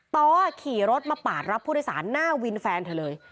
ต้อขี่รถมาปาดรับผู้โดยสารหน้าวินแฟนเธอเลย